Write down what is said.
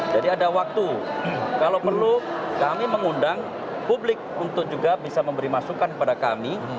jadi ada waktu kalau perlu kami mengundang publik untuk juga bisa memberi masukan kepada kami